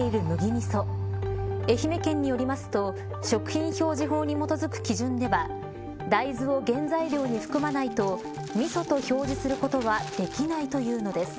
みそ愛媛県によりますと食品表示法に基づく基準では大豆を原材料に含まないとみそと表示することはできないというのです。